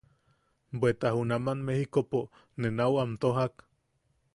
Bweta junaman Mejikopo ne nau am tojak.